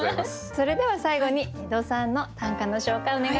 それでは最後に江戸さんの短歌の紹介お願いします。